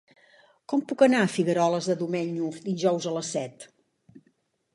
Com puc anar a Figueroles de Domenyo dijous a les set?